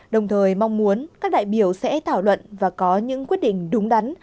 đồng thời mong muốn các đại biểu sẽ thảo luận và có những quyết định đúng đắn